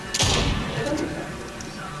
صدای چکش